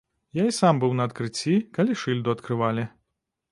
Я і сам быў на адкрыцці, калі шыльду адкрывалі.